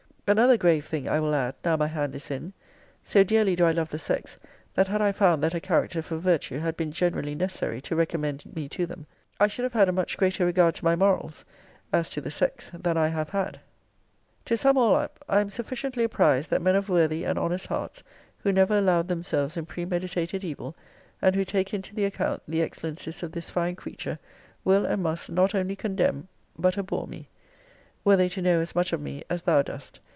Another grave thing I will add, now my hand is in: 'So dearly do I love the sex, that had I found that a character for virtue had been generally necessary to recommend me to them, I should have had a much greater regard to my morals, as to the sex, than I have had.' To sum all up I am sufficiently apprized, that men of worthy and honest hearts, who never allowed themselves in premeditated evil, and who take into the account the excellencies of this fine creature, will and must not only condemn, but abhor me, were they to know as much of me as thou dost.